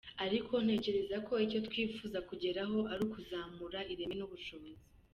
Ariko ntekereza ko icyo twifuza kugeraho ari ukuzamura ireme n’ubushobozi.